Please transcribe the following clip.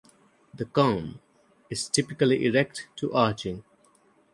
The culm is typically erect to arching.